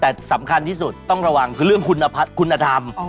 แต่สำคัญที่สุดต้องระวังคือเรื่องคุณธรรม